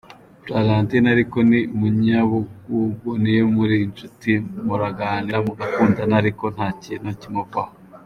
Florentine ariko ni umunyabugugu niyo muri inshuti muraganira mugakundana ariko nta kintu kimuvaho.